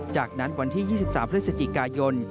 จากนั้นวันที่๒๓พฤศจิกายน